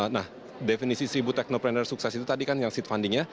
nah definisi seribu teknopreneur sukses itu tadi kan yang seed fundingnya